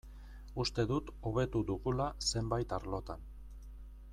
Uste dut hobetu dugula zenbait arlotan.